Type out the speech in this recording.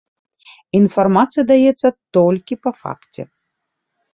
Інфармацыя даецца толькі па факце.